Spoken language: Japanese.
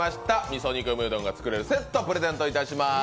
みそ煮込みうどんが作れるセットをプレゼントします。